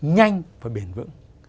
nhanh và bền vững